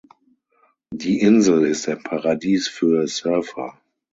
Die Insel ist ein Paradies für Surfer.